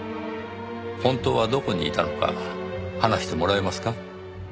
本当はどこにいたのか話してもらえますか？